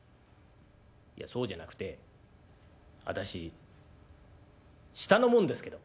「いやそうじゃなくて私下の者ですけど」。